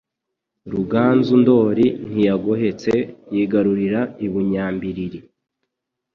Ruganzu Ndoli ntiyagohetse yigarurira u Bunyambilili